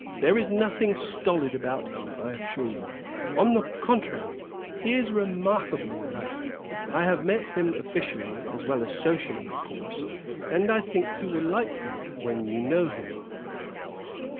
There is nothing stolid about him, I assure you; on the con trary, he is remarkably alert. I have met him officially as well as socially, of course, and I think you will like him when you know him."